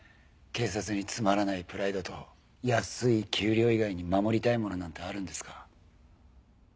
警察につまらないプライドと安い給料以外に守りたいものなんてあるんですか？